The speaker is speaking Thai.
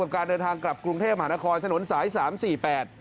การเดินทางกลับกรุงเทพมหานครถนนสายสามสี่แปด